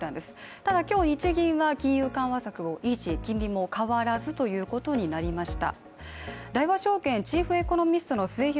ただ今日、日銀は金融緩和策を維持、金利も変わらずということになりました。